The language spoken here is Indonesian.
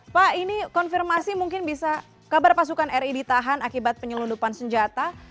pak ini konfirmasi mungkin bisa kabar pasukan ri ditahan akibat penyelundupan senjata